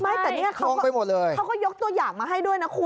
ไม่แต่นี่เขาก็ยกตัวอย่างมาให้ด้วยนะคุณ